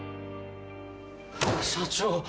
社長